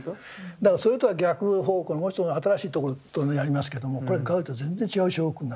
だからそれとは逆方向のもう一つの新しいところやりますけどもこれガウディと全然違う彫刻になってます。